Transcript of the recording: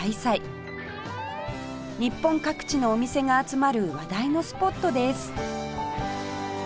日本各地のお店が集まる話題のスポットです